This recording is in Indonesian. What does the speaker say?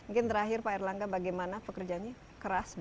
mungkin terakhir pak erlangga bagaimana pekerjaannya keras